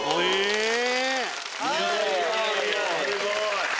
すごい！